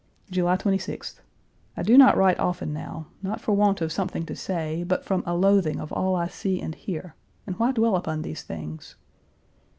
July 26th. I do not write often now, not for want of something to say, but from a loathing of all I see and hear, and why dwell upon those things?